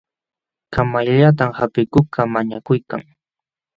Kamayllatam hampikuqkaq mañakuykan.